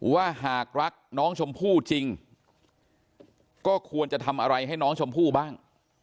ว่าหากรักน้องชมพู่จริงก็ควรจะทำอะไรให้น้องชมพู่บ้าง